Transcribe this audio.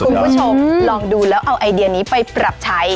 คุณผู้ชมลองดูแล้วเอาไอเดียนี้ไปปรับใช้